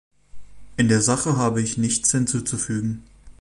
In der Sache habe ich nichts hinzuzufügen.